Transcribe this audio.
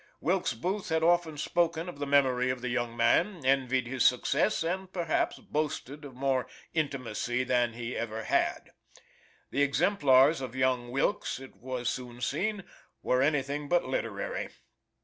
Wilkes Booth has often spoken of the memory of the young man, envied his success, and, perhaps, boasted of more intimacy than he ever had. The exemplars of young Wilkes, it was soon seen, were anything but literary.